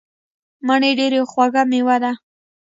مڼې ډیره خوږه میوه ده.